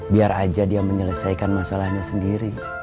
biar aja dia menyelesaikan masalahnya sendiri